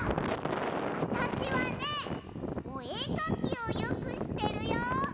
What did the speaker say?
あたしはねおえかきをよくしてるよ！